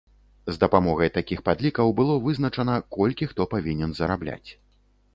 З дапамогай такіх падлікаў было вызначана, колькі хто павінен зарабляць.